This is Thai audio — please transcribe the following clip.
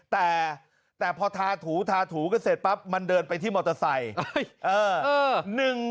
แต่พอทาถูกทาถูกันเสร็จปั๊บมันเดินไปที่มอเตอร์ไซค์